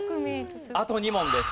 あと２問です。